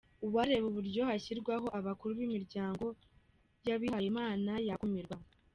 Uwareba uburyo hashyirwaho abakuru b’imiryango y’abihayimana yakumirwa.